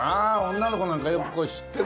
女の子なんかよくこういうの知ってる。